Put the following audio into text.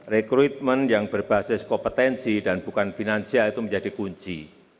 rekrutmen yang berbasis kompetensi dan bukan finansial itu menjadi kunci